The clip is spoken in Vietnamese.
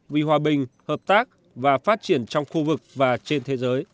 vì hòa bình hợp tác và phát triển trong khu vực và trên thế giới